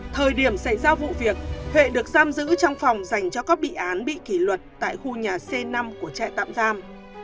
thời điểm xảy ra vụ việc huệ được giam giữ trong phòng dành cho các bị án bị kỷ luật tại khu nhà c năm của trại tạm giam